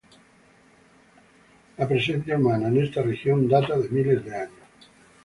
La presencia humana en esta región data de miles de años.